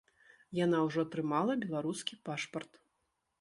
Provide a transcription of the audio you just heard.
Яна ўжо атрымала беларускі пашпарт.